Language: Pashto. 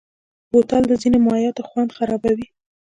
بوتل د ځینو مایعاتو خوند خرابوي.